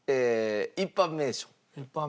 一般名称？